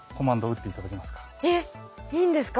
えっいいんですか？